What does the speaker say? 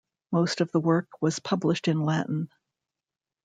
Most of the work was published in Latin.